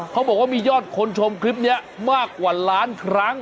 เขาบอกว่ามียอดคนชมคลิปนี้มากกว่าล้านครั้ง